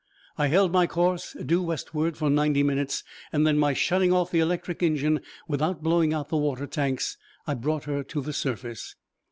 I held my course due westward for ninety minutes, and then, by shutting off the electric engine without blowing out the water tanks, I brought her to the surface.